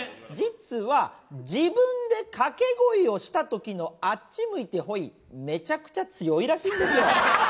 実は、自分で掛け声をしたときのあっち向いてほい、めちゃくちゃ強いらしんですよ。